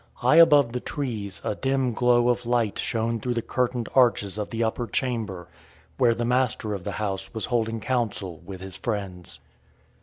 High above the trees a dim glow of light shone through the curtained arches of the upper chamber, where the master of the house was holding council with his friends.